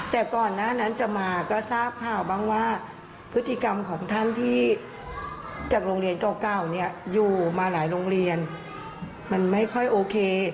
แต่ก่อนหน้านั้นจะมาก็ทราบข่าวบ้างว่าพฤติกรรมของท่านที่จากโรงเรียนเก่าเนี่ยอยู่มาหลายโรงเรียนมันไม่ค่อยโอเค